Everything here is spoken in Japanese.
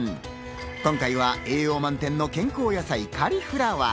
今回は栄養満点の健康野菜、カリフラワー。